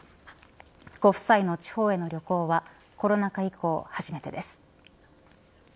ご夫妻の地方への旅行はコロナ禍以降初めてです。